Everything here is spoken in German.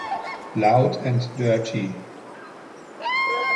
Loud and Dirty!